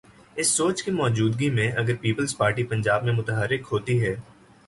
اس سوچ کی موجودگی میں، اگر پیپلز پارٹی پنجاب میں متحرک ہوتی ہے۔